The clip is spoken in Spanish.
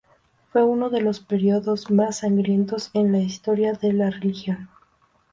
Fue uno de los periodos más sangrientos en la historia de la región.